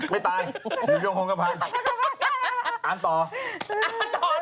ไม่ตายหรืองงกระพันหนึ่ง